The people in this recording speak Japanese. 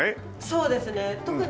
そうですね特に。